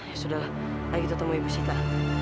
ya sudah lah ayo kita ketemu ibu sita